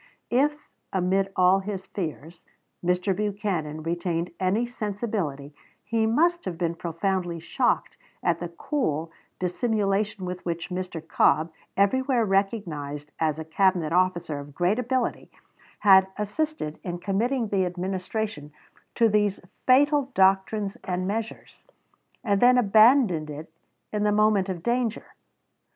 If, amid all his fears, Mr. Buchanan retained any sensibility, he must have been profoundly shocked at the cool dissimulation with which Mr. Cobb, everywhere recognized as a Cabinet officer of great ability, had assisted in committing the Administration to these fatal doctrines and measures, and then abandoned it in the moment of danger.